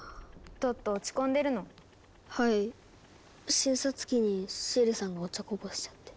診察機にシエリさんがお茶こぼしちゃって。